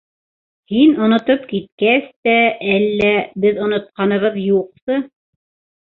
Һин онотоп киткәс тә әллә, беҙ онотҡаныбыҙ юҡсы...